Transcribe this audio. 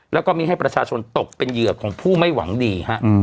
แล้วก็มีให้ประชาชนตกเป็นเหยื่อของผู้ไม่หวังดี